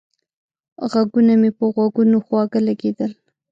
غږونه مې په غوږونو خواږه لگېدل